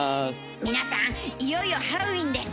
皆さんいよいよハロウィーンです。